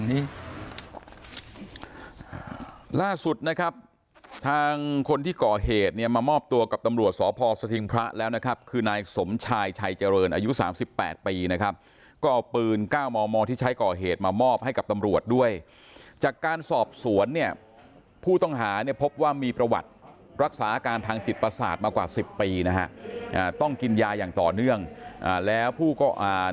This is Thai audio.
ล่าสุดนะครับทางคนที่ก่อเหตุเนี่ยมามอบตัวกับตำรวจสพสถิงพระแล้วนะครับคือนายสมชายชัยเจริญอายุสามสิบแปดปีนะครับก็เอาปืนเก้ามอมอที่ใช้ก่อเหตุมามอบให้กับตำรวจด้วยจากการสอบสวนเนี่ยผู้ต้องหาเนี่ยพบว่ามีประวัติรักษาอาการทางจิตประสาทมากว่าสิบปีนะฮะต้องกินยาอย่างต่อเนื่องอ่าแล้วผู้ก็อ่า